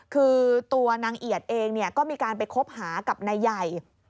คือตัวนางเอียดเองก็มีการไปคบหากับนายใหญ่